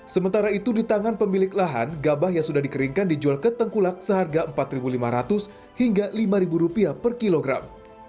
sementara itu di tangan pemilik lahan gabah yang sudah dikeringkan dijual ke tengkulak seharga rp empat lima ratus hingga rp lima per kilogram